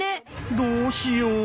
どうしよう。